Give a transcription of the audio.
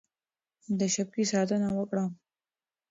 د شبکې ساتنه وکړه.